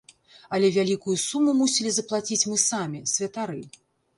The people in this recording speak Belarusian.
Але вялікую суму мусілі заплаціць мы самі, святары.